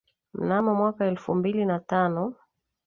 Mnamo mwaka wa elfu mbili na tano